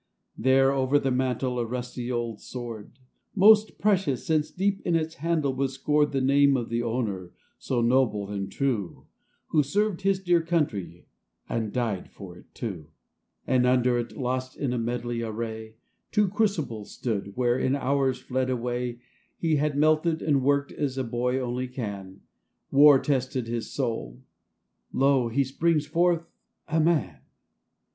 There, over the mantle, a rusty old sword ; Most precious, since deep in its handle was scored The name of the owner, so noble and true, Who served his dear Country, and died for it, too. 72 THE YOUNG SOLDIER. And under it, lost in a medley array, Two crucibles stood, where, in hours fled away, He had melted, and worked, as a boy only can ; War tested his soul : lo, he springs forth a man